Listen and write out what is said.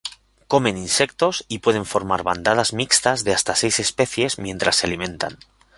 Comen insectos y pueden formar bandadas mixtas de hasta seis especies mientras se alimentan.